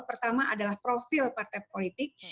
pertama adalah profil partai politik